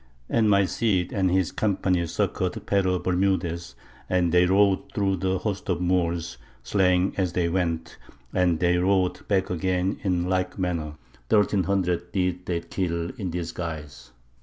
And my Cid and his company succoured Pero Bermudez, and they rode through the host of the Moors, slaying as they went, and they rode back again in like manner; thirteen hundred did they kill in this guise.